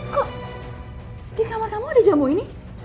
kok di kamar kamu ada jamu ini